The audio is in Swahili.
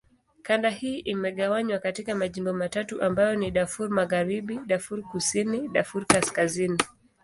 Kanda hii imegawanywa katika majimbo matatu ambayo ni: Darfur Magharibi, Darfur Kusini, Darfur Kaskazini.